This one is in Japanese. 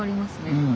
うん。